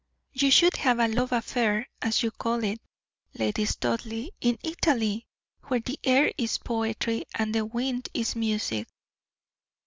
"You should have a love affair, as you call it, Lady Studleigh, in Italy, where the air is poetry, and the wind music."